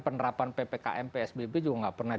penerapan ppkm psbb juga nggak pernah